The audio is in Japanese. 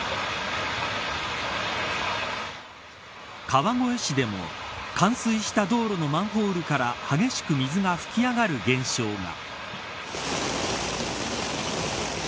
川越市でも冠水した道路のマンホールから激しく水が噴き上がる現象が。